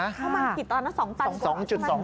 ประมาณกี่ตอน๒ตัน